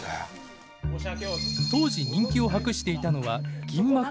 当時人気を博していたのは銀幕のスターたち。